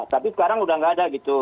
tapi sekarang udah nggak ada gitu